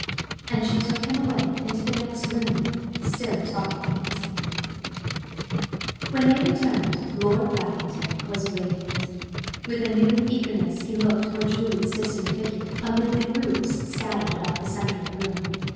And she took him away into the next room, still talking in his ear. When they returned, Lord Lackington was radiant. With a new eagerness he looked for Julie's distant figure amid the groups scattered about the central room.